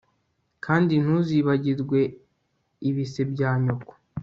kandi ntuzibagirwe ibise bya nyoko